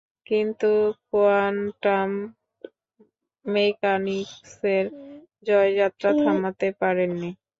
কিন্তু কোয়ান্টাম মেকানিকসের জয়যাত্রা থামাতে পারেননি।